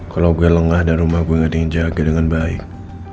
kalau gue lengah dan rumah gue gak ada yang jaga dengan baik